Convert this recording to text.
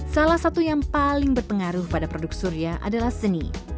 salah satu yang paling berpengaruh pada produk surya adalah seni